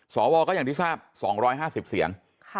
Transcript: สวก็อย่างที่ทราบ๒๕๐เสียง